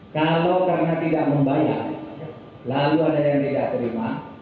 kalau karena tidak membayar lalu ada yang tidak terima